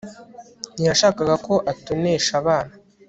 ntiyashakaga ko atonesha abana